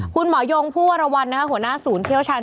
คุณหมอโยงผู้ที่มรวรรณหัวหน้าศูนย์เที่ยวชัน